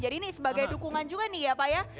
jadi ini sebagai dukungan juga nih ya pak ya